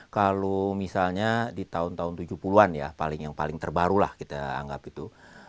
kalau misalnya di tahun tahun tujuh puluh an ya yang paling terbaru lah kita anggap itu